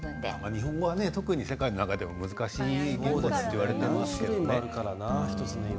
日本語は特に世界の中でも難しい言語といわれていますから。